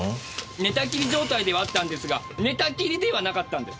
寝たきり状態ではあったんですが「寝たきり」ではなかったんです。